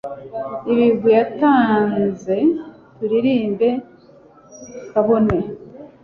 Ibigwi yatanze tubiririmbe Kabone